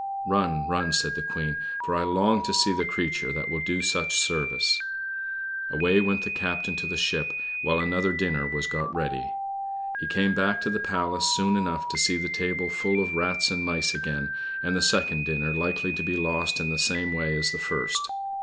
"Run, run!" said the Queen, "for I long to see the creature that will do such service." Away went the captain to the ship while another dinner was got ready. He came back to the palace soon enough to see the table full of rats and mice again, and the second dinner likely to be lost in the same way as the first.